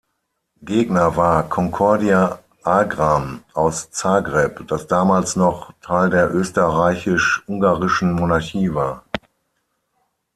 Gegner war "Concordia Agram" aus Zagreb, das damals noch Teil der österreichisch-ungarischen Monarchie war.